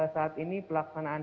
saat ini pelaksanaan